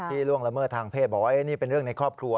ล่วงละเมิดทางเพศบอกว่านี่เป็นเรื่องในครอบครัว